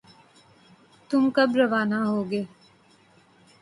تم کب روانہ ہوگے؟